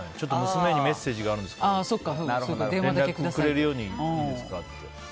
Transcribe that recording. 娘にメッセージがあるので連絡くれるようにいいですかって。